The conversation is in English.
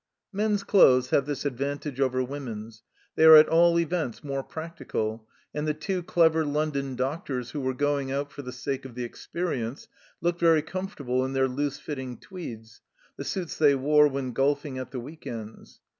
Men's clothes have this advantage over women's, they are at all events more practical, and the two clever London doctors who were going out for the sake of the experience looked very comfortable in their loose fitting tweeds the suits they wore when golfing at the week ends.